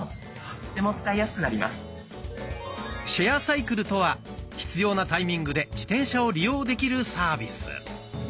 シェアサイクルとは必要なタイミングで自転車を利用できるサービス。